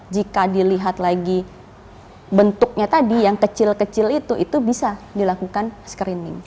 jika dilihat lagi bentuknya tadi yang kecil kecil itu itu bisa dilakukan screening